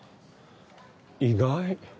意外。